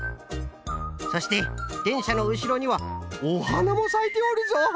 そしてでんしゃのうしろにはおはなもさいておるぞ！